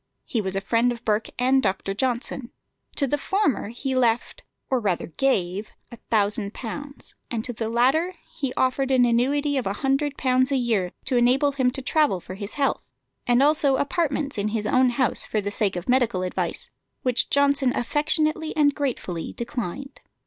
He was a friend of Burke and Dr. Johnson. To the former he left, or rather gave, a thousand pounds, and to the latter he offered an annuity of a hundred pounds a year, to enable him to travel for his health, and also apartments in his own house for the sake of medical advice, which Johnson affectionately and gratefully declined.